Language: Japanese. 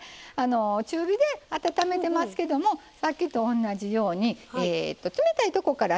中火で温めてますけどもさっきと同じように冷たいとこから温めてます。